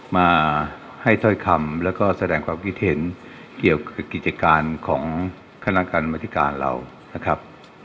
มาให้ถ้อยคำแล้วก็แสดงความคิดเห็นเกี่ยวกับกิจการของคณะกรรมธิการเรานะครับ